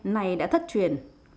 này đã thất truyền